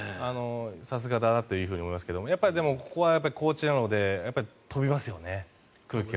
さすがだなと思いますけどやっぱりでもここは高地なので飛びますよね